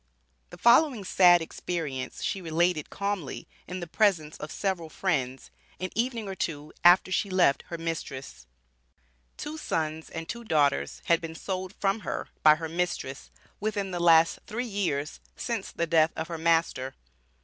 The following sad experience she related calmly, in the presence of several friends, an evening or two after she left her mistress: Two sons and two daughters had been sold from her by her mistress, within the last three years, since the death of her master.